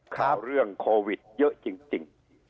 ข่าวเรื่องโควิดเยอะจริง